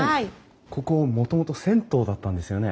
ここもともと銭湯だったんですよね？